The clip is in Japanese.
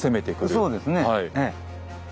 そうですねええ。